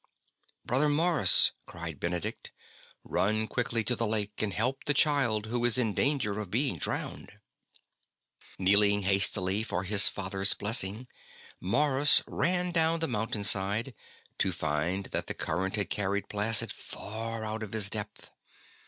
'' Brother Maurus," cried Benedict, '' run quickly to the lake and help the child, who is in danger of being drowned." 48 ST. BENEDICT Kneeling hastily for his Father's blessing, Maurus ran down the mountain side, to find that the current had carried Placid far out of his depth.